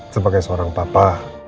sebagai seorang papa